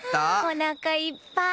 おなかいっぱい。